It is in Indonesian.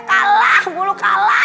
kalah mulu kalah